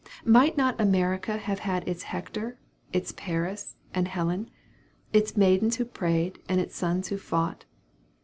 Might not America have had its Hector, its Paris, and Helen? its maidens who prayed, and its sons who fought?